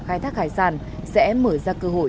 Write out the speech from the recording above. khai thác hải sản sẽ mở ra cơ hội